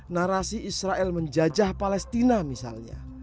narasi israel menjajah palestina misalnya